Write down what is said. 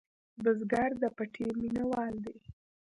بزګر د پټي مېنهوال دی